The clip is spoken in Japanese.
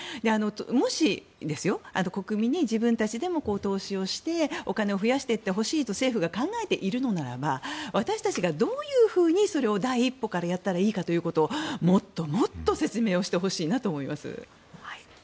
もし、国民に自分たちでも投資をしてお金を増やしていってほしいと政府が考えているのならば私たちがどういうふうにそれを第一歩からやったらいいかをもっともっと説明してほしいなと思います。